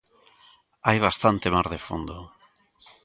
Hai bastante mar de fondo.